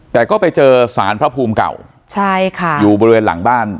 แต่ก็ไปเจอสารพระภูมิเก่าใช่ค่ะอยู่บริเวณหลังบ้าน